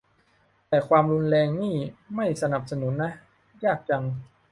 แต่ความรุนแรงนี่ไม่สนับสนุนนะ ยากจัง